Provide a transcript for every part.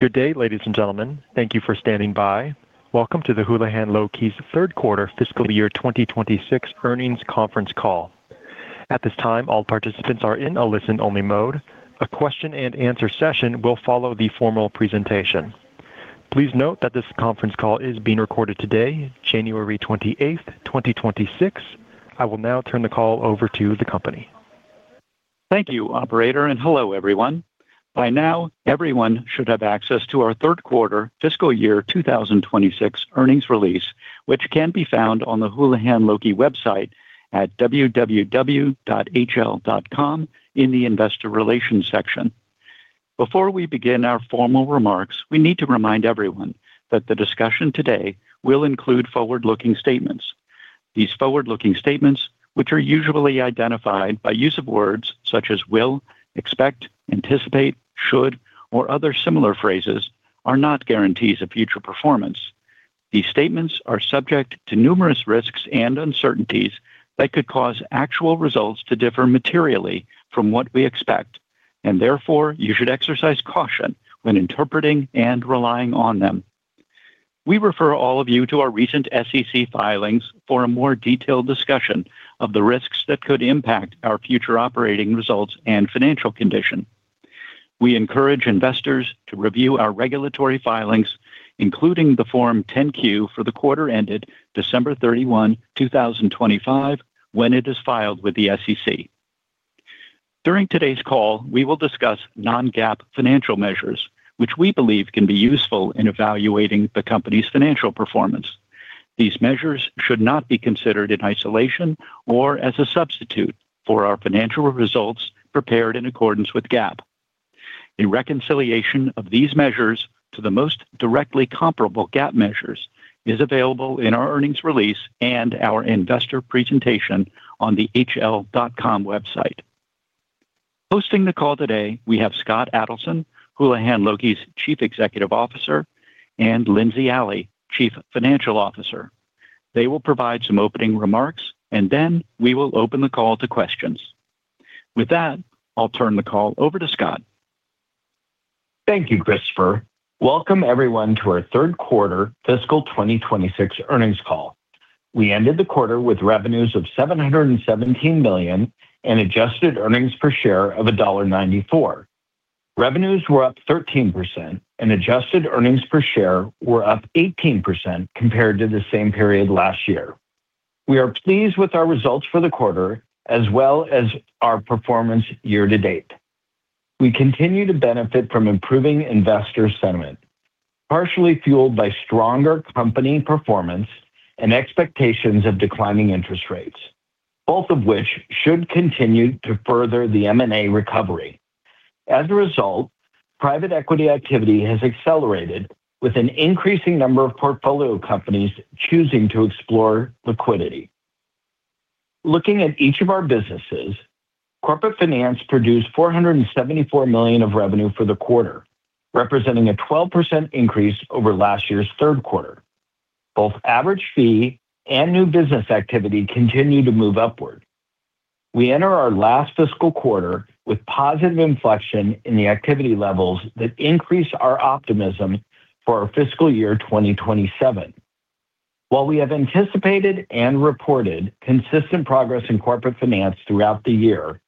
Good day, ladies and gentlemen. Thank you for standing by. Welcome to the Houlihan Lokey's third quarter fiscal year 2026 earnings conference call. At this time, all participants are in a listen-only mode. A question and answer session will follow the formal presentation. Please note that this conference call is being recorded today, January 28th, 2026. I will now turn the call over to the company. Thank you, operator, and hello, everyone. By now, everyone should have access to our third quarter fiscal year 2026 earnings release, which can be found on the Houlihan Lokey website at www.hl.com in the Investor Relations section. Before we begin our formal remarks, we need to remind everyone that the discussion today will include forward-looking statements. These forward-looking statements, which are usually identified by use of words such as will, expect, anticipate, should, or other similar phrases, are not guarantees of future performance. These statements are subject to numerous risks and uncertainties that could cause actual results to differ materially from what we expect, and therefore you should exercise caution when interpreting and relying on them. We refer all of you to our recent SEC filings for a more detailed discussion of the risks that could impact our future operating results and financial condition. We encourage investors to review our regulatory filings, including the Form 10-Q for the quarter ended December 31, 2025, when it is filed with the SEC. During today's call, we will discuss non-GAAP financial measures, which we believe can be useful in evaluating the company's financial performance. These measures should not be considered in isolation or as a substitute for our financial results prepared in accordance with GAAP. A reconciliation of these measures to the most directly comparable GAAP measures is available in our earnings release and our investor presentation on the hl.com website. Hosting the call today, we have Scott Adelson, Houlihan Lokey's Chief Executive Officer, and Lindsey Alley, Chief Financial Officer. They will provide some opening remarks, and then we will open the call to questions. With that, I'll turn the call over to Scott. Thank you, Christopher. Welcome, everyone, to our third quarter fiscal 2026 earnings call. We ended the quarter with revenues of $717 million and adjusted earnings per share of $1.94. Revenues were up 13% and adjusted earnings per share were up 18% compared to the same period last year. We are pleased with our results for the quarter as well as our performance year to date. We continue to benefit from improving investor sentiment, partially fueled by stronger company performance and expectations of declining interest rates, both of which should continue to further the M&A recovery. As a result, private equity activity has accelerated, with an increasing number of portfolio companies choosing to explore liquidity. Looking at each of our businesses, Corporate Finance produced $474 million of revenue for the quarter, representing a 12% increase over last year's third quarter. Both average fee and new business activity continue to move upward. We enter our last fiscal quarter with positive inflection in the activity levels that increase our optimism for our fiscal year 2027. While we have anticipated and reported consistent progress in Corporate Finance throughout the year,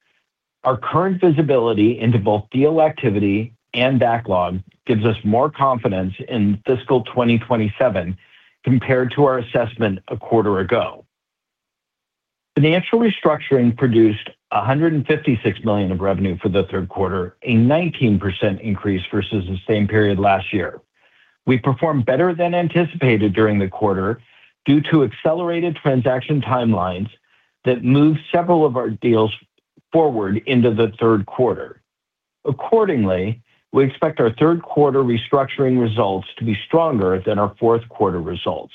our current visibility into both deal activity and backlog gives us more confidence in fiscal 2027 compared to our assessment a quarter ago. Financial Restructuring produced $156 million of revenue for the third quarter, a 19% increase versus the same period last year. We performed better than anticipated during the quarter due to accelerated transaction timelines that moved several of our deals forward into the third quarter. Accordingly, we expect our third quarter restructuring results to be stronger than our fourth quarter results,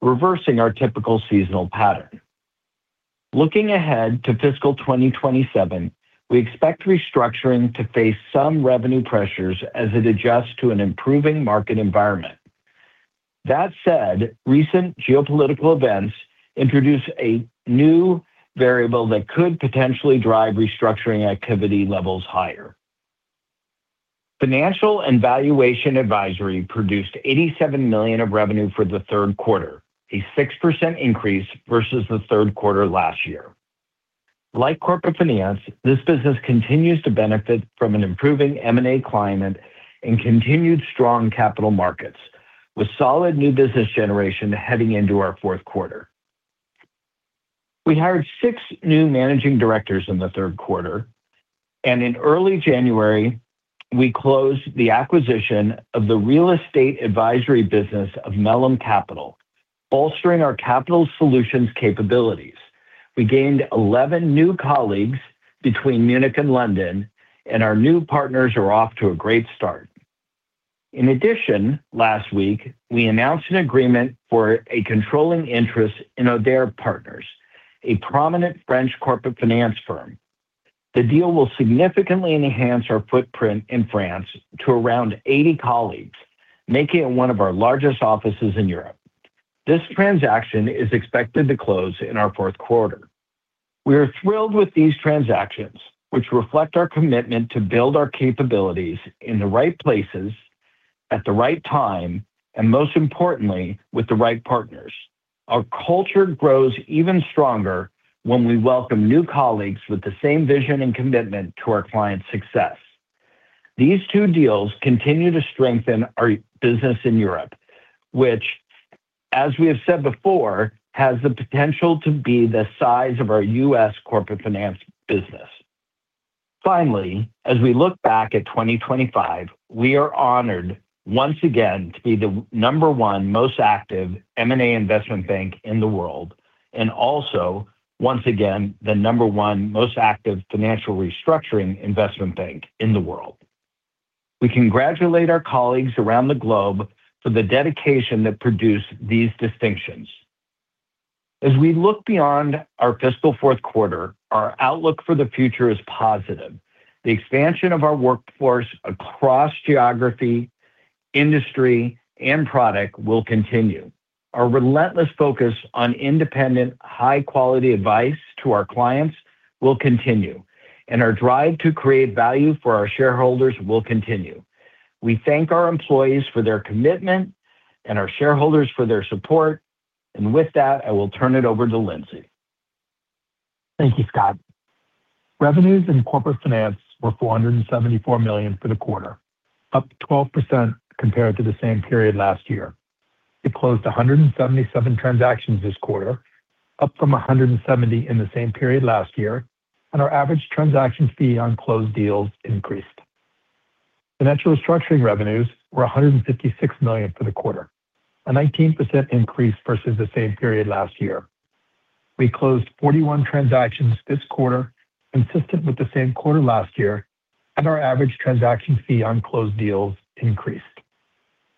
reversing our typical seasonal pattern. Looking ahead to fiscal 2027, we expect restructuring to face some revenue pressures as it adjusts to an improving market environment. That said, recent geopolitical events introduce a new variable that could potentially drive restructuring activity levels higher. Financial and Valuation Advisory produced $87 million of revenue for the third quarter, a 6% increase versus the third quarter last year. Like Corporate Finance, this business continues to benefit from an improving M&A climate and continued strong capital markets, with solid new business generation heading into our fourth quarter. We hired six new managing directors in the third quarter, and in early January, we closed the acquisition of the real estate advisory business of Mellum Capital, bolstering our Capital Solutions capabilities. We gained 11 new colleagues between Munich and London, and our new partners are off to a great start. In addition, last week, we announced an agreement for a controlling interest in Audere Partners, a prominent French corporate finance firm. The deal will significantly enhance our footprint in France to around 80 colleagues, making it one of our largest offices in Europe. This transaction is expected to close in our fourth quarter. We are thrilled with these transactions, which reflect our commitment to build our capabilities in the right places, at the right time, and most importantly, with the right partners. Our culture grows even stronger when we welcome new colleagues with the same vision and commitment to our clients' success. These two deals continue to strengthen our business in Europe, which, as we have said before, has the potential to be the size of our U.S. corporate finance business. Finally, as we look back at 2025, we are honored once again to be the number one most active M&A investment bank in the world, and also, once again, the number one most active financial restructuring investment bank in the world. We congratulate our colleagues around the globe for the dedication that produced these distinctions. As we look beyond our fiscal fourth quarter, our outlook for the future is positive. The expansion of our workforce across geography, industry, and product will continue. Our relentless focus on independent, high-quality advice to our clients will continue, and our drive to create value for our shareholders will continue. We thank our employees for their commitment and our shareholders for their support. With that, I will turn it over to Lindsey. Thank you, Scott. Revenues in Corporate Finance were $474 million for the quarter, up 12% compared to the same period last year. We closed 177 transactions this quarter, up from 170 in the same period last year, and our average transaction fee on closed deals increased. Financial Restructuring revenues were $156 million for the quarter, a 19% increase versus the same period last year. We closed 41 transactions this quarter, consistent with the same quarter last year, and our average transaction fee on closed deals increased.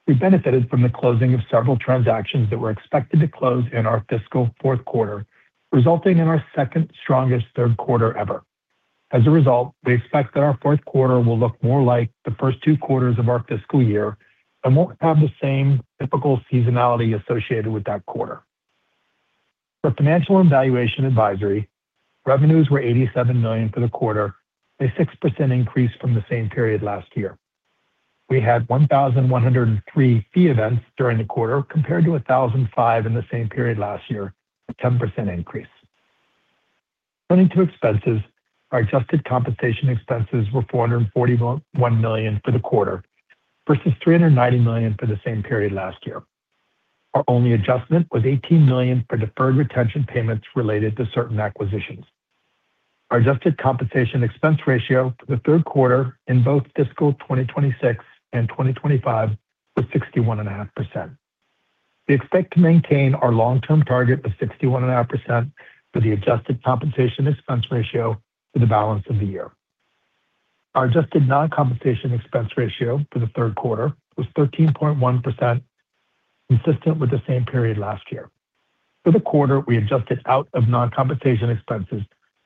We benefited from the closing of several transactions that were expected to close in our fiscal fourth quarter, resulting in our second strongest third quarter ever. As a result, we expect that our fourth quarter will look more like the first two quarters of our fiscal year and won't have the same typical seasonality associated with that quarter. For Financial and Valuation Advisory, revenues were $87 million for the quarter, a 6% increase from the same period last year. We had 1,103 fee events during the quarter, compared to 1,005 in the same period last year, a 10% increase. Turning to expenses, our Adjusted Compensation Expenses were $441 million for the quarter versus $390 million for the same period last year. Our only adjustment was $18 million for deferred retention payments related to certain acquisitions. Our Adjusted Compensation Expense Ratio for the third quarter in both fiscal 2026 and 2025 was 61.5%. We expect to maintain our long-term target of 61.5% for the adjusted compensation expense ratio for the balance of the year. Our adjusted non-compensation expense ratio for the third quarter was 13.1%, consistent with the same period last year. For the quarter, we adjusted out of non-compensation expenses,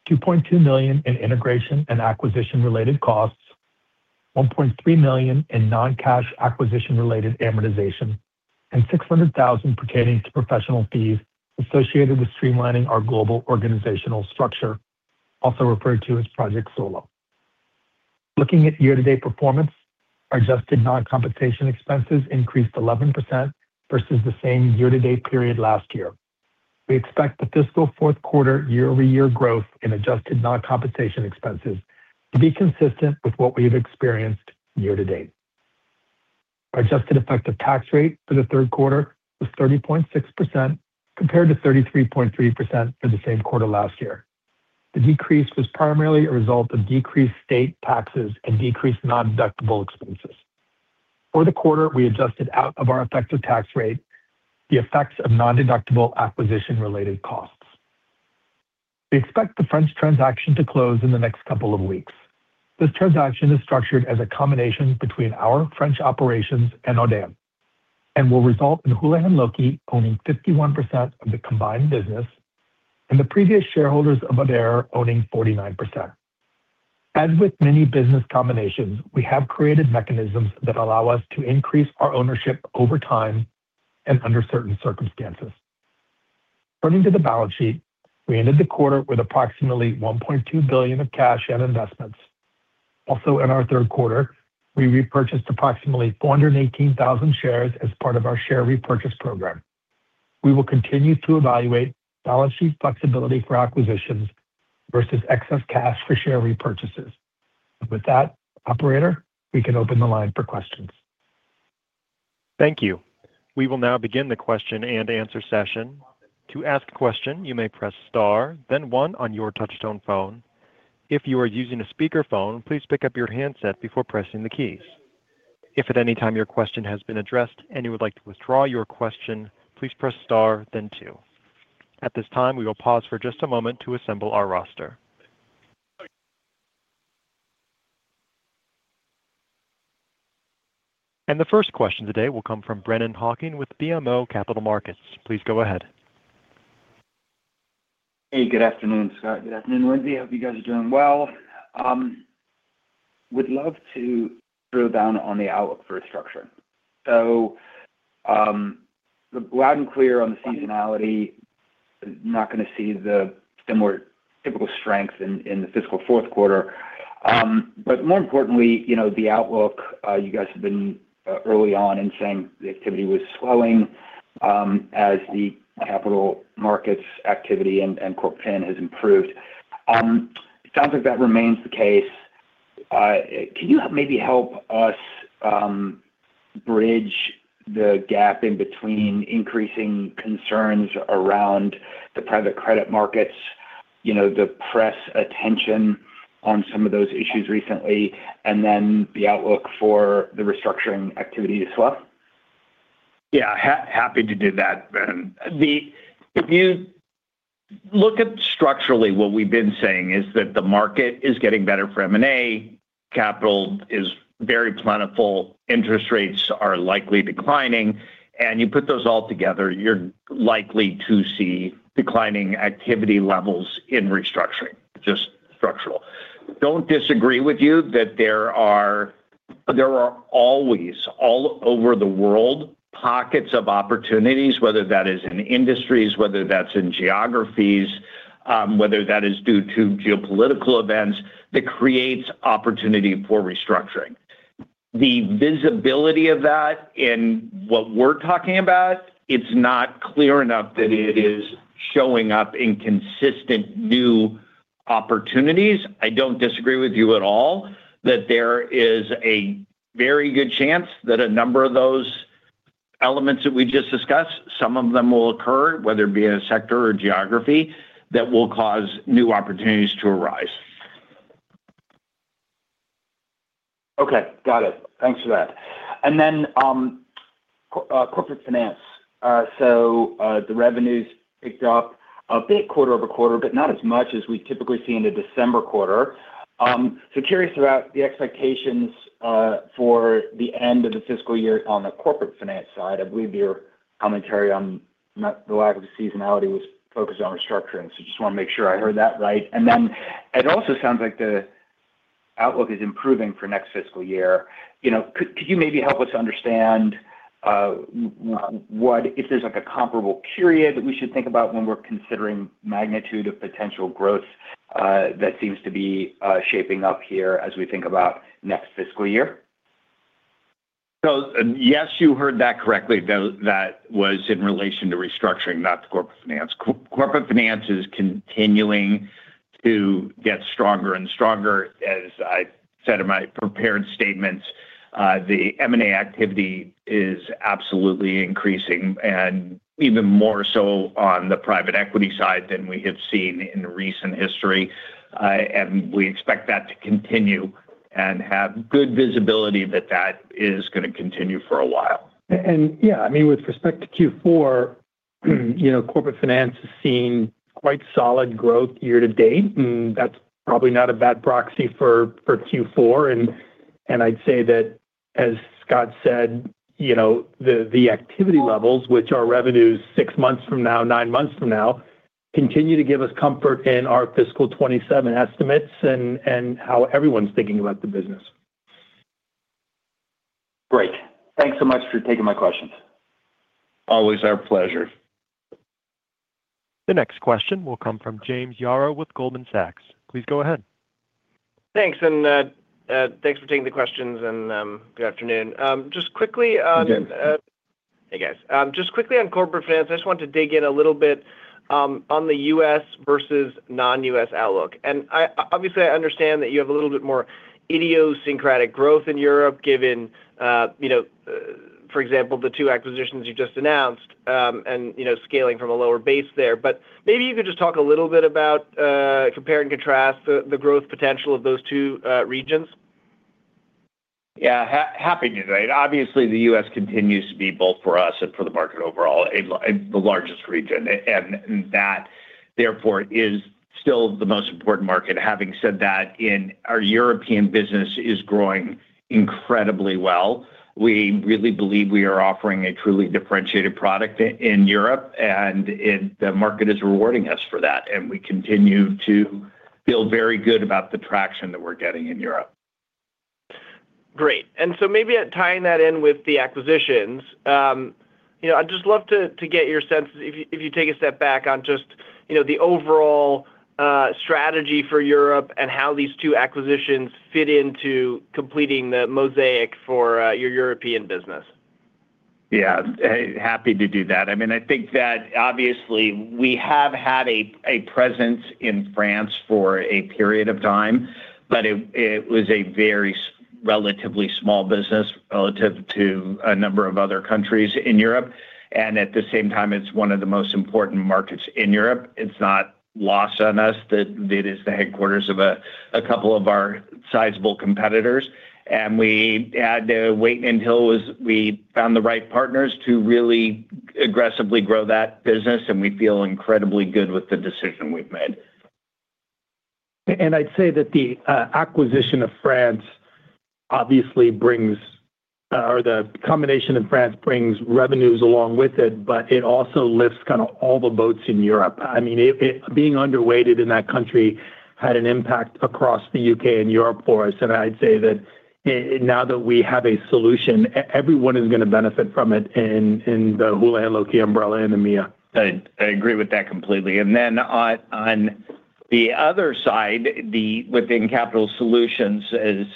$2.2 million in integration and acquisition-related costs, $1.3 million in non-cash acquisition-related amortization, and $600,000 pertaining to professional fees associated with streamlining our global organizational structure, also referred to as Project Solo. Looking at year-to-date performance, our adjusted non-compensation expenses increased 11% versus the same year-to-date period last year. We expect the fiscal fourth quarter year-over-year growth in adjusted non-compensation expenses to be consistent with what we've experienced year to date. Our adjusted effective tax rate for the third quarter was 30.6%, compared to 33.3% for the same quarter last year. The decrease was primarily a result of decreased state taxes and decreased non-deductible expenses. For the quarter, we adjusted out of our effective tax rate the effects of non-deductible acquisition-related costs. We expect the French transaction to close in the next couple of weeks. This transaction is structured as a combination between our French operations and Audere, and will result in Houlihan Lokey owning 51% of the combined business and the previous shareholders of Audere owning 49%. As with many business combinations, we have created mechanisms that allow us to increase our ownership over time and under certain circumstances. Turning to the balance sheet, we ended the quarter with approximately $1.2 billion of cash and investments. Also, in our third quarter, we repurchased approximately 418,000 shares as part of our share repurchase program. We will continue to evaluate balance sheet flexibility for acquisitions versus excess cash for share repurchases. With that, operator, we can open the line for questions. Thank you. We will now begin the question-and-answer session. To ask a question, you may press star, then one on your touchtone phone. If you are using a speakerphone, please pick up your handset before pressing the keys. If at any time your question has been addressed and you would like to withdraw your question, please press star, then two. At this time, we will pause for just a moment to assemble our roster. The first question today will come from Brennan Hawken with BMO Capital Markets. Please go ahead. Hey, good afternoon, Scott. Good afternoon, Lindsey. I hope you guys are doing well. Would love to drill down on the outlook for restructuring. So, loud and clear on the seasonality, not gonna see the similar typical strength in, in the fiscal fourth quarter. But more importantly, you know, the outlook, you guys have been early on in saying the activity was slowing, as the capital markets activity and, and corp fin has improved. It sounds like that remains the case. Can you maybe help us bridge the gap in between increasing concerns around the private credit markets, you know, the press attention on some of those issues recently, and then the outlook for the restructuring activity as well? Yeah, happy to do that. And if you look at structurally, what we've been saying is that the market is getting better for M&A, capital is very plentiful, interest rates are likely declining, and you put those all together, you're likely to see declining activity levels in restructuring, just structural. Don't disagree with you that there are, there are always, all over the world, pockets of opportunities, whether that is in industries, whether that's in geographies, whether that is due to geopolitical events, that creates opportunity for restructuring. The visibility of that in what we're talking about, it's not clear enough that it is showing up in consistent new opportunities. I don't disagree with you at all that there is a very good chance that a number of those elements that we just discussed, some of them will occur, whether it be in a sector or geography, that will cause new opportunities to arise. Okay, got it. Thanks for that. And then corporate finance. So the revenues picked up a bit quarter-over-quarter, but not as much as we typically see in the December quarter. So curious about the expectations for the end of the fiscal year on the corporate finance side. I believe your commentary on not the lack of the seasonality was focused on restructuring. So just wanna make sure I heard that right. And then it also sounds like the outlook is improving for next fiscal year. You know, could you maybe help us understand what-- if there's, like, a comparable period that we should think about when we're considering magnitude of potential growth that seems to be shaping up here as we think about next fiscal year? So yes, you heard that correctly, though, that was in relation to restructuring, not the Corporate Finance. Corporate Finance is continuing to get stronger and stronger. As I said in my prepared statements, the M&A activity is absolutely increasing, and even more so on the Private Equity side than we have seen in recent history. We expect that to continue and have good visibility that that is gonna continue for a while. Yeah, I mean, with respect to Q4, you know, corporate finance has seen quite solid growth year to date, and that's probably not a bad proxy for Q4. And, and I'd say that, as Scott said, you know, the, the activity levels, which are revenues six months from now, nine months from now, continue to give us comfort in our fiscal 2027 estimates and how everyone's thinking about the business. Great. Thanks so much for taking my questions. Always our pleasure. The next question will come from James Yaro with Goldman Sachs. Please go ahead. Thanks, and thanks for taking the questions, and good afternoon. Just quickly, Hey, James. Hey, guys. Just quickly on corporate finance, I just wanted to dig in a little bit on the U.S. versus non-U.S. outlook. And obviously, I understand that you have a little bit more idiosyncratic growth in Europe, given, you know, for example, the two acquisitions you just announced, and, you know, scaling from a lower base there. But maybe you could just talk a little bit about compare and contrast the growth potential of those two regions. Yeah, happy to. Obviously, the U.S. continues to be both for us and for the market overall, the largest region, and that, therefore, is still the most important market. Having said that, our European business is growing incredibly well. We really believe we are offering a truly differentiated product in Europe, and the market is rewarding us for that, and we continue to feel very good about the traction that we're getting in Europe. Great. And so maybe tying that in with the acquisitions, you know, I'd just love to get your sense, if you take a step back, on just you know, the overall strategy for Europe and how these two acquisitions fit into completing the mosaic for your European business. Yeah, happy to do that. I mean, I think that obviously we have had a presence in France for a period of time, but it was a very relatively small business relative to a number of other countries in Europe. At the same time, it's one of the most important markets in Europe. It's not lost on us that it is the headquarters of a couple of our sizable competitors, and we had to wait until we found the right partners to really aggressively grow that business, and we feel incredibly good with the decision we've made. I'd say that the acquisition of France obviously brings, or the combination in France brings revenues along with it, but it also lifts kind of all the boats in Europe. I mean, being underweighted in that country had an impact across the U.K. and Europe for us. And I'd say that now that we have a solution, everyone is gonna benefit from it in the Houlihan Lokey umbrella and EMEA. I agree with that completely. And then on the other side, within Capital Solutions, as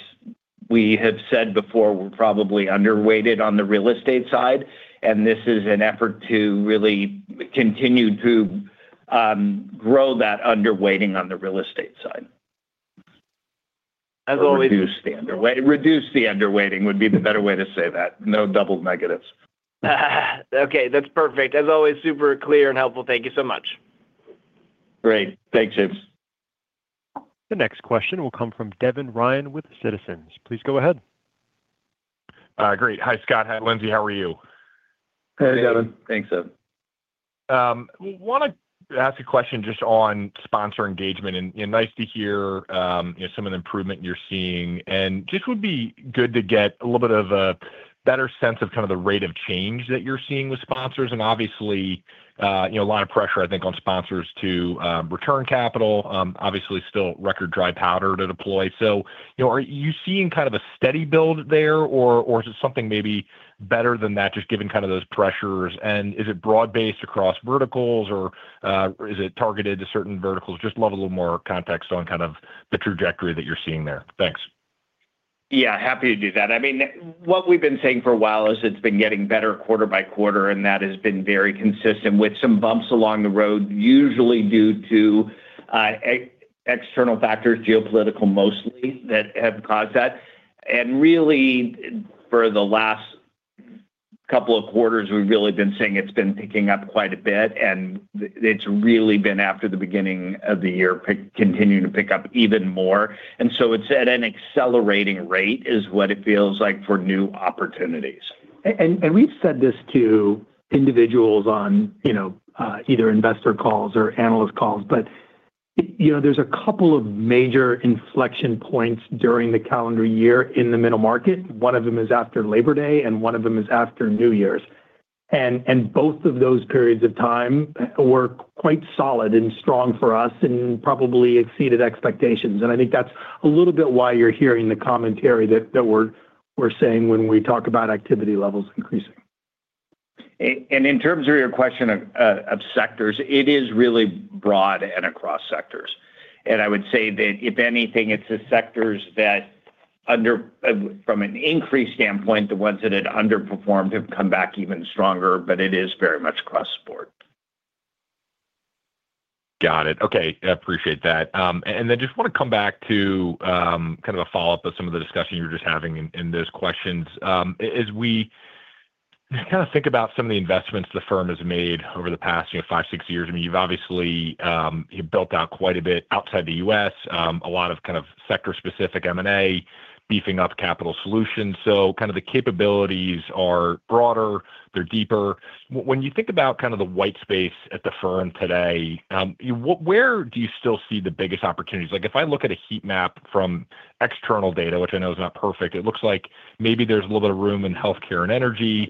we have said before, we're probably underweighted on the real estate side, and this is an effort to really continue to grow that underweighting on the real estate side. As always- Reduce the underweight. Reduce the underweight would be the better way to say that. No double negatives. Okay, that's perfect. As always, super clear and helpful. Thank you so much. Great. Thanks, James. The next question will come from Devin Ryan with Citizens. Please go ahead. Great. Hi, Scott. Hi, Lindsey. How are you? Hey, Devin. Thanks, Devin. Wanna ask a question just on sponsor engagement, and nice to hear, you know, some of the improvement you're seeing. And just would be good to get a little bit of a better sense of kind of the rate of change that you're seeing with sponsors. And obviously, you know, a lot of pressure, I think, on sponsors to return capital, obviously still record dry powder to deploy. So, you know, are you seeing kind of a steady build there, or is it something maybe better than that, just given kind of those pressures? And is it broad-based across verticals, or is it targeted to certain verticals? Just love a little more context on kind of the trajectory that you're seeing there. Thanks. Yeah, happy to do that. I mean, what we've been saying for a while is it's been getting better quarter by quarter, and that has been very consistent with some bumps along the road, usually due to external factors, geopolitical mostly, that have caused that. And really, for the last couple of quarters, we've really been seeing it's been picking up quite a bit, and it's really been after the beginning of the year, continuing to pick up even more. And so it's at an accelerating rate, is what it feels like for new opportunities. We've said this to individuals on, you know, either investor calls or analyst calls, but, you know, there's a couple of major inflection points during the calendar year in the middle market. One of them is after Labor Day, and one of them is after New Year's. Both of those periods of time were quite solid and strong for us and probably exceeded expectations. I think that's a little bit why you're hearing the commentary that we're saying when we talk about activity levels increasing. In terms of your question of sectors, it is really broad and across sectors. And I would say that if anything, it's the sectors that under. From an increase standpoint, the ones that had underperformed have come back even stronger, but it is very much cross-support. Got it. Okay, I appreciate that. And then just wanna come back to, kind of a follow-up of some of the discussion you were just having in, in those questions. As we kind of think about some of the investments the firm has made over the past, you know, five, six years, I mean, you've obviously, you've built out quite a bit outside the U.S., a lot of kind of sector-specific M&A, beefing up Capital Solutions. So kind of the capabilities are broader, they're deeper. When you think about kind of the white space at the firm today, where do you still see the biggest opportunities? Like, if I look at a heat map from external data, which I know is not perfect, it looks like maybe there's a little bit of room in healthcare and energy,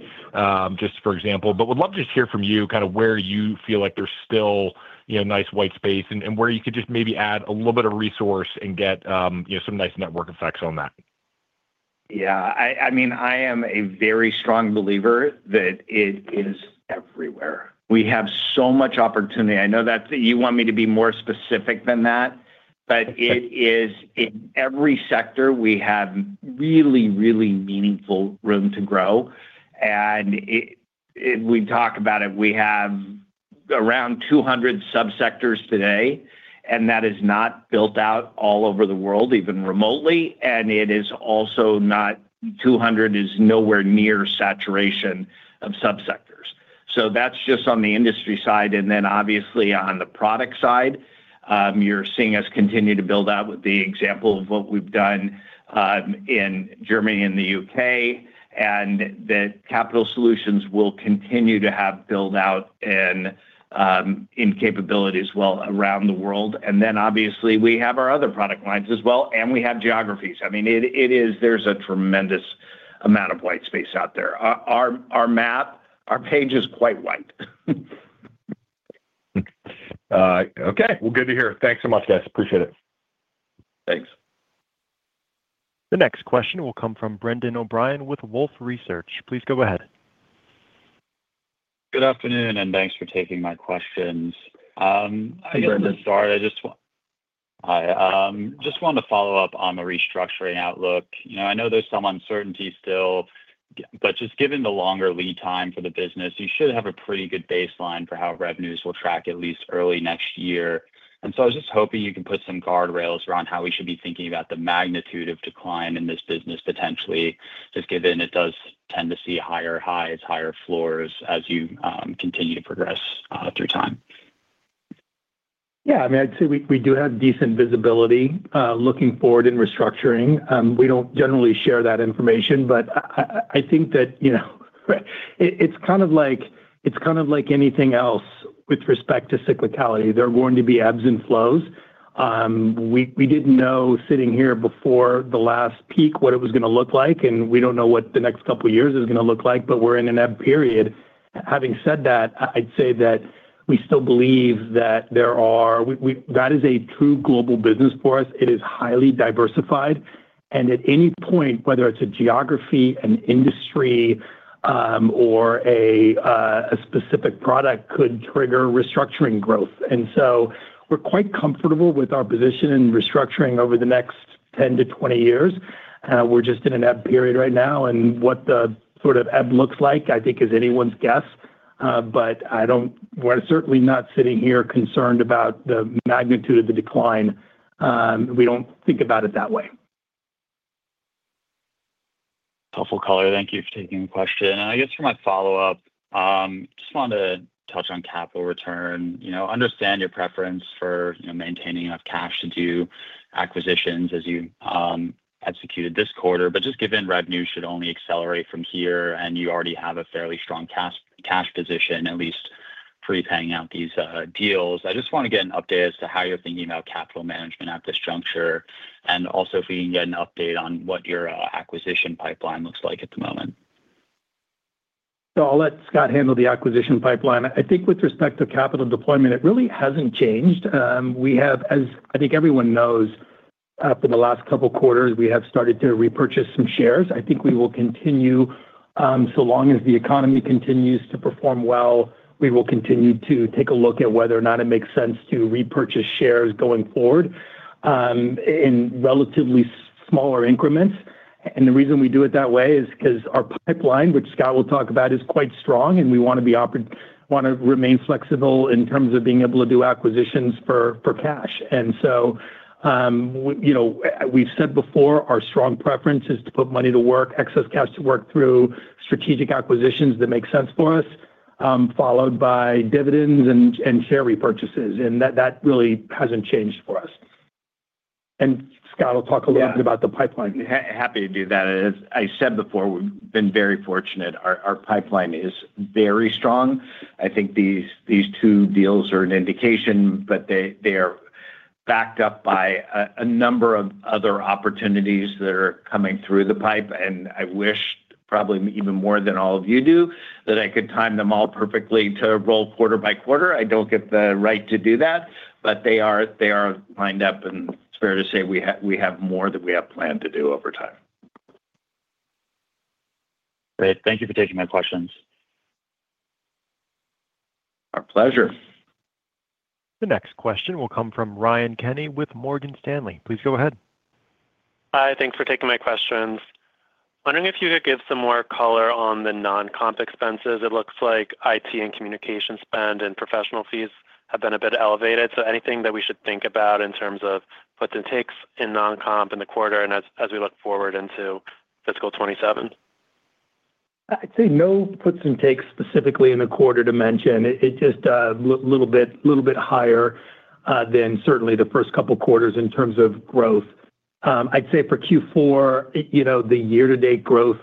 just for example. But would love to just hear from you kind of where you feel like there's still, you know, nice white space and where you could just maybe add a little bit of resource and get, you know, some nice network effects on that. Yeah, I mean, I am a very strong believer that it is everywhere. We have so much opportunity. I know that you want me to be more specific than that, but it is in every sector, we have really, really meaningful room to grow, and it we talk about it. We have around 200 subsectors today, and that is not built out all over the world, even remotely, and it is also not. 200 is nowhere near saturation of subsectors. So that's just on the industry side. And then, obviously, on the product side, you're seeing us continue to build out with the example of what we've done in Germany and the U.K., and the Capital Solutions will continue to have build out in capabilities well around the world. And then, obviously, we have our other product lines as well, and we have geographies. I mean, it is. There's a tremendous amount of white space out there. Our map, our page is quite white. Okay. Well, good to hear. Thanks so much, guys. Appreciate it. Thanks. The next question will come from Brendan O'Brien with Wolfe Research. Please go ahead. Good afternoon, and thanks for taking my questions. I guess to start- Hi, Brendan. Hi, just wanted to follow up on the restructuring outlook. You know, I know there's some uncertainty still, but just given the longer lead time for the business, you should have a pretty good baseline for how revenues will track at least early next year. And so I was just hoping you can put some guardrails around how we should be thinking about the magnitude of decline in this business, potentially, just given it does tend to see higher highs, higher floors, as you continue to progress through time. Yeah, I mean, I'd say we, we do have decent visibility, looking forward in restructuring. We don't generally share that information, but I, I, I think that, you know, it, it's kind of like, it's kind of like anything else. With respect to cyclicality, there are going to be ebbs and flows. We, we didn't know sitting here before the last peak what it was going to look like, and we don't know what the next couple of years is going to look like, but we're in an ebb period. Having said that, I, I'd say that we still believe that there are- that is a true global business for us. It is highly diversified, and at any point, whether it's a geography, an industry, or a specific product could trigger restructuring growth. So we're quite comfortable with our position in restructuring over the next 10-20 years. We're just in an ebb period right now, and what the sort of ebb looks like, I think, is anyone's guess. But we're certainly not sitting here concerned about the magnitude of the decline. We don't think about it that way. Helpful color. Thank you for taking the question. I guess for my follow-up, just want to touch on capital return. You know, understand your preference for, you know, maintaining enough cash to do acquisitions as you executed this quarter. But just given revenue should only accelerate from here and you already have a fairly strong cash position, at least pre-paying out these deals, I just want to get an update as to how you're thinking about capital management at this juncture, and also if we can get an update on what your acquisition pipeline looks like at the moment. So I'll let Scott handle the acquisition pipeline. I think with respect to capital deployment, it really hasn't changed. We have—as I think everyone knows—for the last couple quarters, we have started to repurchase some shares. I think we will continue, so long as the economy continues to perform well, we will continue to take a look at whether or not it makes sense to repurchase shares going forward, in relatively smaller increments. And the reason we do it that way is 'cause our pipeline, which Scott will talk about, is quite strong, and we want to remain flexible in terms of being able to do acquisitions for cash. You know, we've said before, our strong preference is to put money to work, excess cash to work through strategic acquisitions that make sense for us, followed by dividends and, and share repurchases, and that, that really hasn't changed for us. And Scott will talk a little- Yeah... bit about the pipeline. Happy to do that. As I said before, we've been very fortunate. Our pipeline is very strong. I think these two deals are an indication, but they are backed up by a number of other opportunities that are coming through the pipe. And I wish probably even more than all of you do, that I could time them all perfectly to roll quarter by quarter. I don't get the right to do that, but they are lined up, and it's fair to say we have more than we have planned to do over time. Great. Thank you for taking my questions. Our pleasure. The next question will come from Ryan Kenny with Morgan Stanley. Please go ahead. Hi, thanks for taking my questions. Wondering if you could give some more color on the non-comp expenses. It looks like IT and communication spend and professional fees have been a bit elevated, so anything that we should think about in terms of puts and takes in non-comp in the quarter and as we look forward into fiscal 2027? I'd say no puts and takes specifically in the quarter to mention. It just looks a little bit higher than certainly the first couple of quarters in terms of growth. I'd say for Q4, you know, the year-to-date growth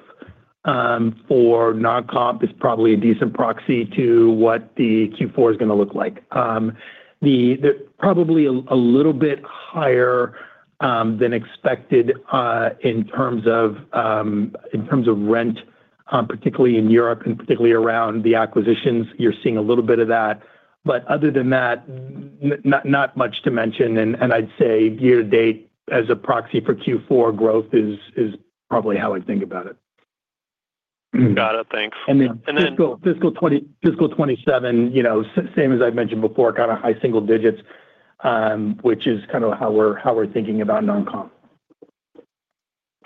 for non-comp is probably a decent proxy to what the Q4 is going to look like. Probably a little bit higher than expected in terms of rent, particularly in Europe and particularly around the acquisitions. You're seeing a little bit of that. But other than that, not much to mention, and I'd say year to date, as a proxy for Q4 growth is probably how I think about it. Got it. Thanks. And then- And then- Fiscal 2027, you know, same as I've mentioned before, kind of high single digits, which is kind of how we're, how we're thinking about non-comp.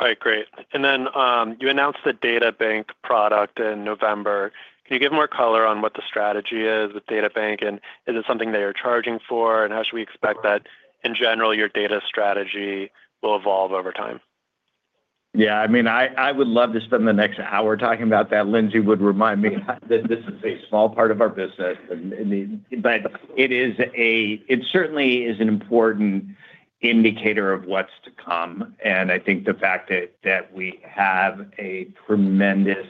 All right, great. And then, you announced the data bank product in November. Can you give more color on what the strategy is with data bank, and is it something that you're charging for, and how should we expect that, in general, your data strategy will evolve over time? Yeah, I mean, I would love to spend the next hour talking about that. Lindsey would remind me that this is a small part of our business, and, I mean... but it certainly is an important indicator of what's to come, and I think the fact that we have a tremendous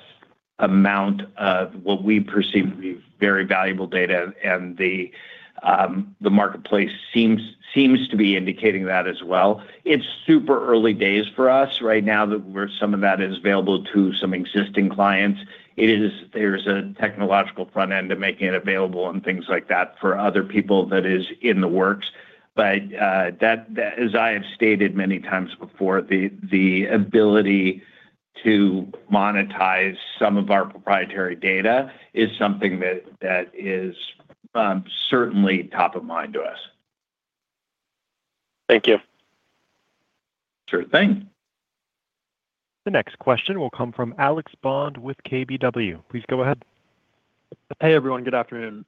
amount of what we perceive to be very valuable data, and the marketplace seems to be indicating that as well. It's super early days for us. Right now, where some of that is available to some existing clients, there's a technological front end to making it available and things like that for other people that is in the works, but, that, as I have stated many times before, the ability to monetize some of our proprietary data is something that is certainly top of mind to us. Thank you. Sure thing. The next question will come from Alex Bond with KBW. Please go ahead. Hey, everyone. Good afternoon.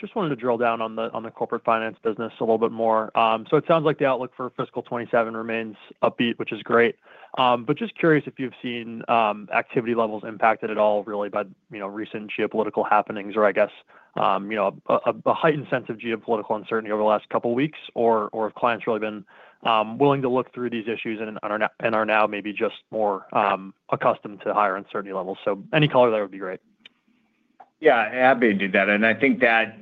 Just wanted to drill down on the corporate finance business a little bit more. So it sounds like the outlook for fiscal 2027 remains upbeat, which is great. But just curious if you've seen activity levels impacted at all really by, you know, recent geopolitical happenings or I guess, you know, a heightened sense of geopolitical uncertainty over the last couple of weeks, or have clients really been willing to look through these issues and are now maybe just more accustomed to higher uncertainty levels? So any color there would be great. ... Yeah, happy to do that. And I think that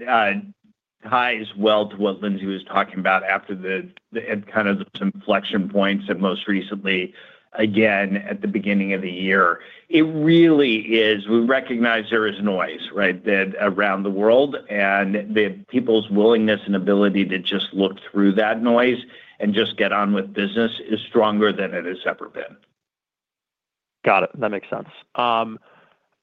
ties well to what Lindsey was talking about after the and kind of some inflection points, and most recently, again, at the beginning of the year. It really is. We recognize there is noise, right? That around the world, and the people's willingness and ability to just look through that noise and just get on with business is stronger than it has ever been. Got it. That makes sense.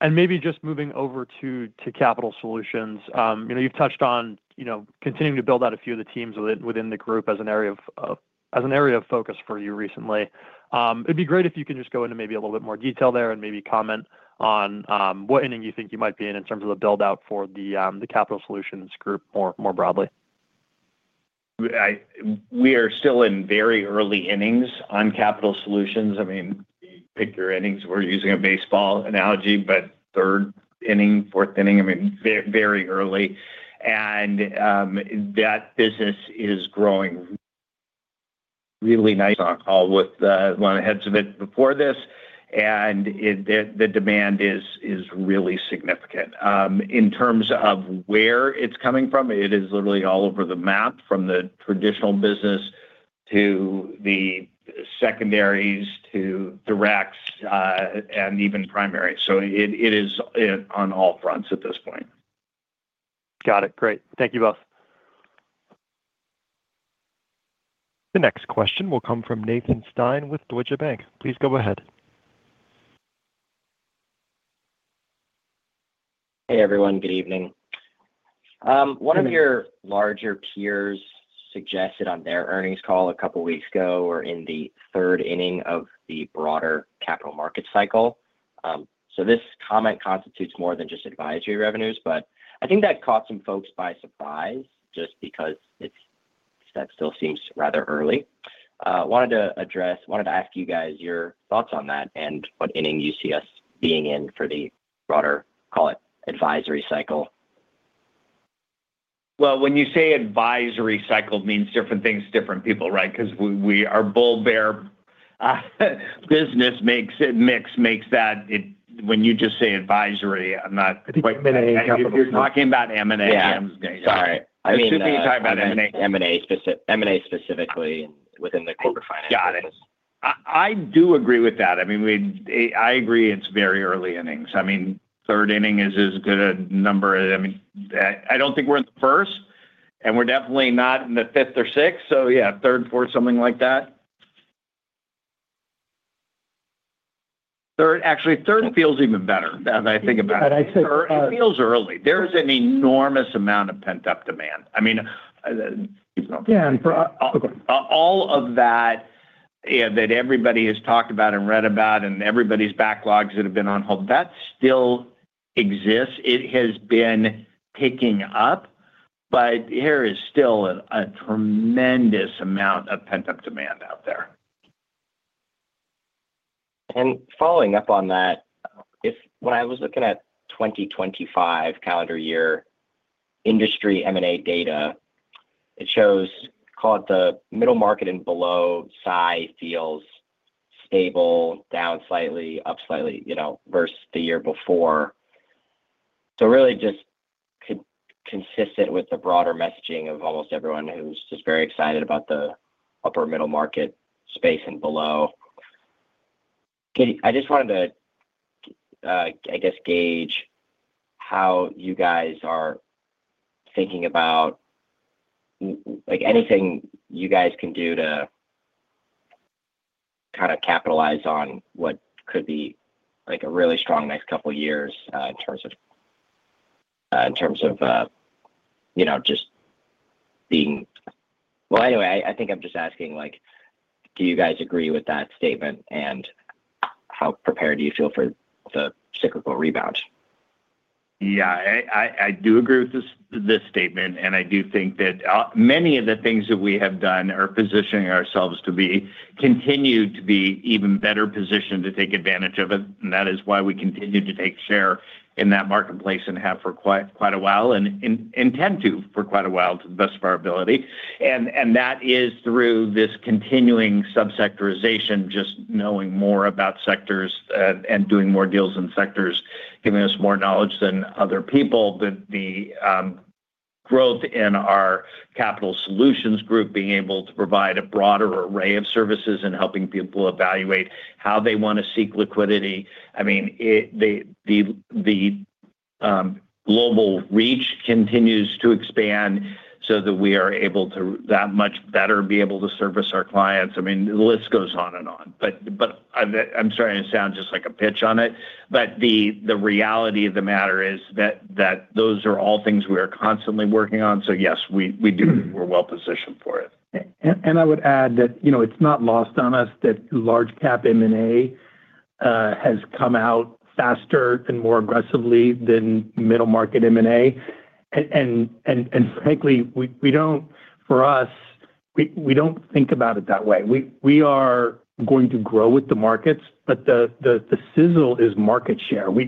And maybe just moving over to Capital Solutions. You know, you've touched on, you know, continuing to build out a few of the teams within the group as an area of focus for you recently. It'd be great if you can just go into maybe a little bit more detail there and maybe comment on what inning you think you might be in, in terms of the build-out for the Capital Solutions group more broadly. We are still in very early innings on Capital Solutions. I mean, pick your innings. We're using a baseball analogy, but third inning, fourth inning, I mean, very, very early. And that business is growing really nice on call with one of the heads of it before this, and the demand is really significant. In terms of where it's coming from, it is literally all over the map, from the traditional business to the secondaries to directs, and even primary. So it is on all fronts at this point. Got it. Great. Thank you both. The next question will come from Nathan Stein with Deutsche Bank. Please go ahead. Hey, everyone. Good evening. One of your larger peers suggested on their earnings call a couple weeks ago, "we're in the third inning of the broader capital market cycle." So this comment constitutes more than just advisory revenues, but I think that caught some folks by surprise just because it's- that still seems rather early. Wanted to address- wanted to ask you guys your thoughts on that and what inning you see us being in for the broader, call it, advisory cycle. Well, when you say advisory cycle, it means different things to different people, right? 'Cause we... Our bull-bear business makes it mix, makes that it- when you just say advisory, I'm not quite- I think M&A- If you're talking about M&A- Yeah. Sorry. All right. I assume you're talking about M&A. M&A specifically within the corporate finance. Got it. I do agree with that. I mean, I agree it's very early innings. I mean, third inning is as good a number. I mean, I don't think we're in the first, and we're definitely not in the fifth or sixth, so yeah, third, fourth, something like that. Third, actually, third feels even better as I think about it. I'd say- It feels early. There is an enormous amount of pent-up demand. I mean... Yeah, and for, okay. All of that, that everybody has talked about and read about and everybody's backlogs that have been on hold, that still exists. It has been picking up, but there is still a tremendous amount of pent-up demand out there. And following up on that, if when I was looking at 2025 calendar year industry M&A data, it shows, call it the middle market and below size feels stable, down slightly, up slightly, you know, versus the year before. So really just consistent with the broader messaging of almost everyone who's just very excited about the upper middle market space and below. I just wanted to, I guess, gauge how you guys are thinking about, like, anything you guys can do to kind of capitalize on what could be, like, a really strong next couple of years, in terms of, in terms of, you know, just being... Well, anyway, I, I think I'm just asking, like, do you guys agree with that statement, and how prepared do you feel for the cyclical rebound? Yeah, I do agree with this statement, and I do think that many of the things that we have done are positioning ourselves to be continued to be even better positioned to take advantage of it, and that is why we continue to take share in that marketplace and have for quite a while, and intend to for quite a while, to the best of our ability. And that is through this continuing subsectorization, just knowing more about sectors and doing more deals in sectors, giving us more knowledge than other people. The growth in our Capital Solutions group, being able to provide a broader array of services and helping people evaluate how they want to seek liquidity. I mean, the global reach continues to expand so that we are able to... that much better be able to service our clients. I mean, the list goes on and on. But, I'm starting to sound just like a pitch on it, but the reality of the matter is that those are all things we are constantly working on. So yes, we do. We're well positioned for it. I would add that, you know, it's not lost on us that large cap M&A has come out faster and more aggressively than middle market M&A. And frankly, for us, we don't think about it that way. We are going to grow with the markets, but the sizzle is market share. We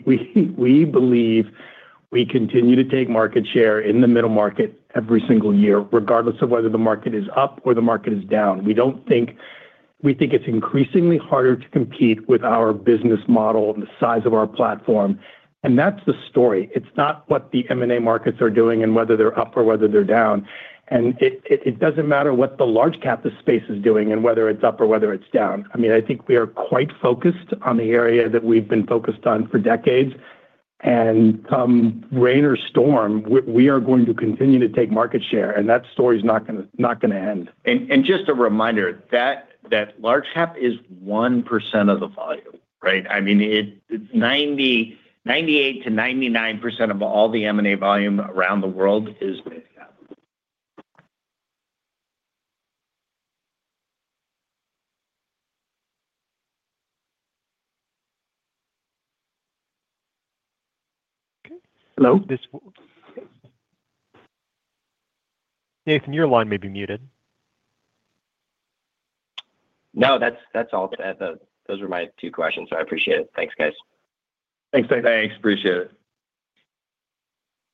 believe we continue to take market share in the middle market every single year, regardless of whether the market is up or the market is down. We don't think... We think it's increasingly harder to compete with our business model and the size of our platform, and that's the story. It's not what the M&A markets are doing and whether they're up or whether they're down. It doesn't matter what the large cap the space is doing and whether it's up or whether it's down. I mean, I think we are quite focused on the area that we've been focused on for decades. Rain or storm, we are going to continue to take market share, and that story is not gonna end. Just a reminder, that large cap is 1% of the volume, right? I mean, 98%-99% of all the M&A volume around the world is mid-cap. Okay. Hello? Nathan, your line may be muted. No, that's, that's all. Those were my two questions, so I appreciate it. Thanks, guys. Thanks. Thanks. Appreciate it.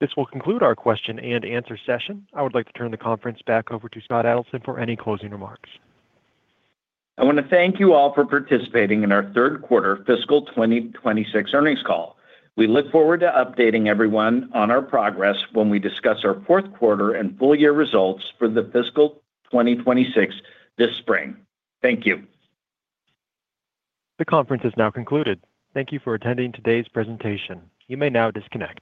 This will conclude our question and answer session. I would like to turn the conference back over to Scott Adelson for any closing remarks. I want to thank you all for participating in our third quarter fiscal 2026 earnings call. We look forward to updating everyone on our progress when we discuss our fourth quarter and full year results for the fiscal 2026, this spring. Thank you. The conference is now concluded. Thank you for attending today's presentation. You may now disconnect.